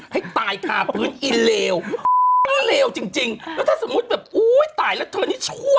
ให้ตายขาดพื้นอีเหลว